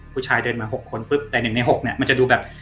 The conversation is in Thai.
ผู้ชายเดินมา๖คนปุ๊บแต่๑ใน๖เนี่ยมันจะดูแบบ